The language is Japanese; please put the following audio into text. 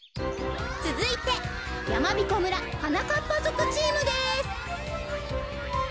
つづいてやまびこ村はなかっぱぞくチームです。